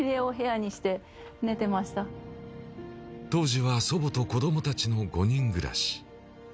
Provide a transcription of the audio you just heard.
当時は祖母と子どもたちの５人暮らし。